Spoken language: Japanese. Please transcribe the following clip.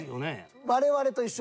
我々と一緒。